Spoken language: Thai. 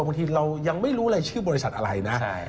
บางทีเรายังไม่รู้เลยชื่อบริษัทอะไรนะ